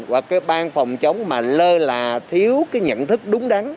hoặc cái bang phòng chống mà lơ là thiếu cái nhận thức đúng đắn